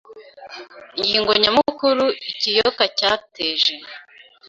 Ingingo nyamukuru Ikiyoka cyateje